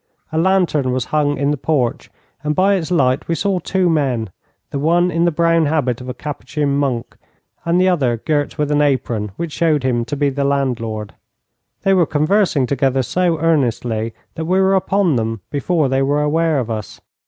A lantern was hung in the porch, and by its light we saw two men, the one in the brown habit of a Capuchin monk, and the other girt with an apron, which showed him to be the landlord. They were conversing together so earnestly that we were upon them before they were aware of us.